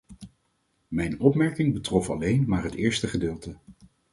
Mijn opmerking betrof alleen maar het eerste gedeelte.